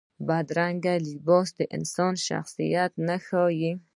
بدرنګه لباس د انسان شخصیت نه ښيي